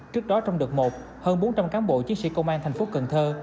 trước đó trong đợt một hơn bốn trăm linh cán bộ chiến sĩ công an tp cần thơ